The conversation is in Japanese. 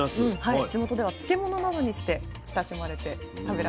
地元では漬物などにして親しまれて食べられています。